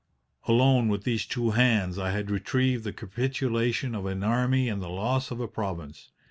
Alone, with these two hands, I had retrieved the capitulation of an army and the loss of a province.